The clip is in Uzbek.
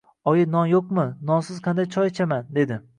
Oyi non yo`qmi, nonsiz qanday choy ichaman, dedi